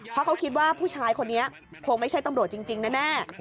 เพราะเขาคิดว่าผู้ชายคนนี้คงไม่ใช่ตำรวจจริงแน่